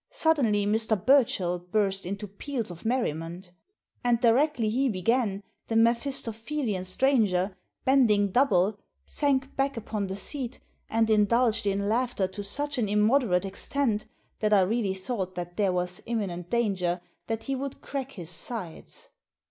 Suddenly Mr. Burchell burst into peals of merriment And directly he began the Mephisto phelian stranger, bending double, sank back upon the seat and indulged in laughter to such an immoderate extent that I really thought that there was imminent danger that he would crack his sides.